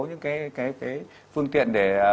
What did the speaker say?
những cái phương tiện để